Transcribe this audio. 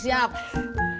kamu nggak kerjanya znk